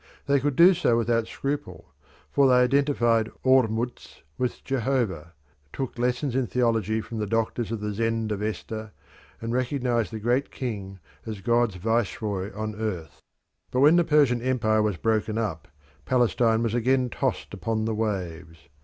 They could do so without scruple, for they identified Ormuzd with Jehovah, took lessons in theology from the doctors of the Zend Avesta, and recognised the Great King as God's viceroy on earth. But when the Persian empire was broken up Palestine was again tossed upon the waves.